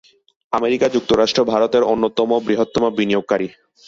America যুক্তরাষ্ট্র ভারতের অন্যতম বৃহত্তম বিনিয়োগকারী।